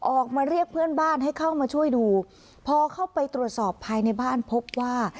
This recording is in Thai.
ออกมาเรียกเพื่อนบ้านให้เข้ามาช่วยดูพอเข้าไปตรวจสอบภายในบ้านพบว่า